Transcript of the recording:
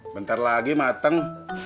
bentar lagi mateng